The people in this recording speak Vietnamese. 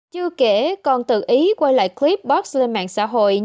chưa kể còn tự ý quay lại clip bóp lên mạng xã hội